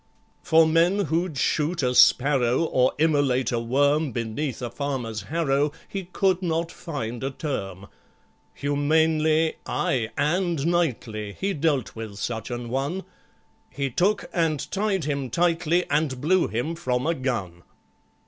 For men who'd shoot a sparrow, Or immolate a worm Beneath a farmer's harrow, He could not find a term. Humanely, ay, and knightly He dealt with such an one; He took and tied him tightly, And blew him from a gun.